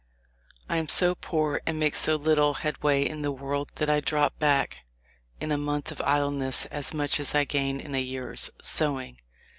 I am so poor and make so little headway in the world that I drop back in a month of idleness as much as I gain in a year's sowing."